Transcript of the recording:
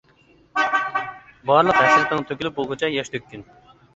بارلىق ھەسرىتىڭ تۆكۈلۈپ بولغۇچە ياش تۆككىن.